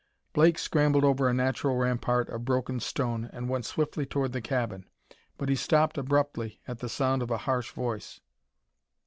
Blake scrambled over a natural rampart of broken stone and went swiftly toward the cabin. But he stopped abruptly at the sound of a harsh voice.